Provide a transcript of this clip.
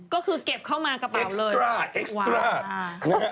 ก็คือเก็บเข้ามากระเป๋าเลยว้าวอเจมส์